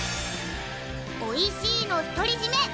おいしいの独り占め